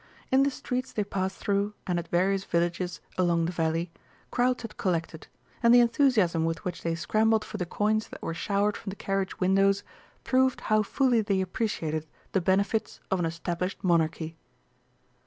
In the streets they passed through and at various villages along the valley, crowds had collected, and the enthusiasm with which they scrambled for the coins that were showered from the carriage windows proved how fully they appreciated the benefits of an established Monarchy.